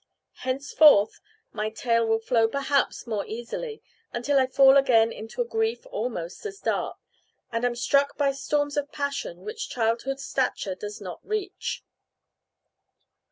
Henceforth my tale will flow perhaps more easily, until I fall again into a grief almost as dark, and am struck by storms of passion which childhood's stature does not reach.